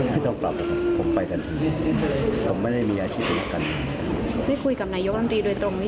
ไม่ต้องปรับผมไปทันที